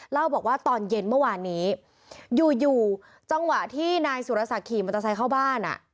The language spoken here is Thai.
เล่าบอกว่าตอนเย็นเมื่อวานนี้อยู่อยู่จังหวะที่นายสุรศักดิ์ขี่มอเตอร์ไซค์เข้าบ้าน